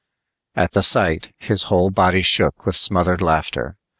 At the sight, his whole body shook with smothered laughter.